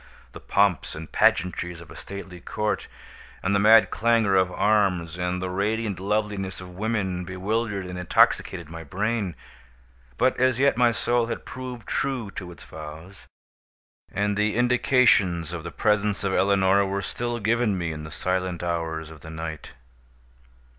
The pomps and pageantries of a stately court, and the mad clangor of arms, and the radiant loveliness of women, bewildered and intoxicated my brain. But as yet my soul had proved true to its vows, and the indications of the presence of Eleonora were still given me in the silent hours of the night.